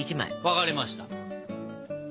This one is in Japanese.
分かりました。